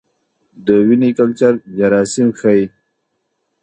د وینې کلچر جراثیم ښيي.